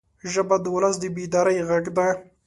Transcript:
ژبه د ولس د بیدارۍ غږ ده